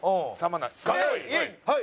はい。